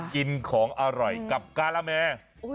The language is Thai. กินของอร่อยกับการาแม